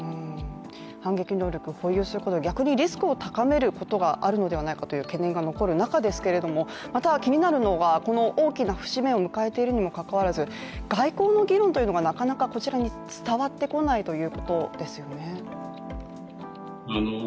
反撃能力保有することで、逆にリスクを高めることがあるのではないかという懸念が残る中ですけども、気になるのがこの大きな節目を迎えているにもかかわらず、外交の議論というのがなかなかこちらに伝わってこないということですよね。